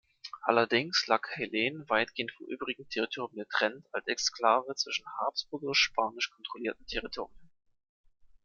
Allerdings lag Heerlen weitgehend vom übrigen Territorium getrennt als Exklave zwischen habsburgisch-spanisch kontrollierten Territorien.